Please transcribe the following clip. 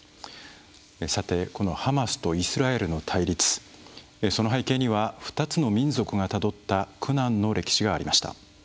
ハマスとイスラエルの対立、その背景には２つの民族がたどった苦難の歴史がありました。